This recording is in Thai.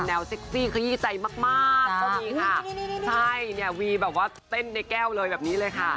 อันโบก